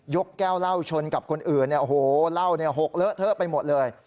ยกแก้วเหล้าชนกับคนอื่นเหล้าหกเลอะเทาะไปหมดเลย